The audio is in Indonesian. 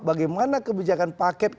bagaimana kebijakan pak jokowi